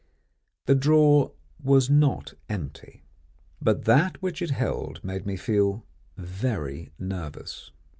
The drawer was not empty; but that which it held made me feel very nervous.